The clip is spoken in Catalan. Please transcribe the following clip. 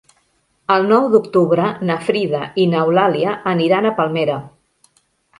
El nou d'octubre na Frida i n'Eulàlia aniran a Palmera.